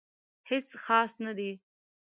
هیڅ خاص نه دي